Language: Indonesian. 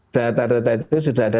data data itu sudah ada